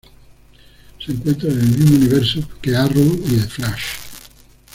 Se encuentra en el mismo universo que "Arrow" y "The Flash".